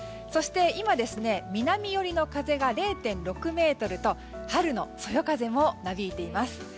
そして、今南寄りの風が０．６メートルと春のそよ風もなびいています。